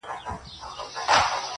په والله چي ته هغه یې بل څوک نه یې!!!!!